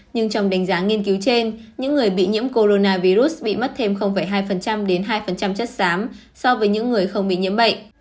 nhưng trong đánh giá nghiên cứu trên những người bị nhiễm corona virus bị mất thêm hai đến hai chất xám so với những người không bị nhiễm bệnh